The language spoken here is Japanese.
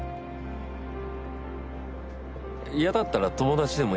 嫌だったら友達でもいい。